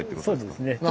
そうですね。